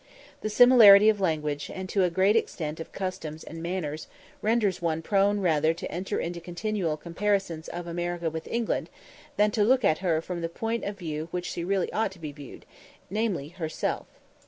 The similarity of language, and to a great extent of customs and manners, renders one prone rather to enter into continual comparisons of America with England than to look at her from the point from which she really ought to be viewed namely, herself.